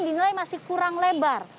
dinilai masih kurang lebar